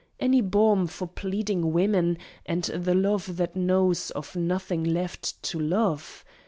any balm For pleading women, and the love that knows Of nothing left to love?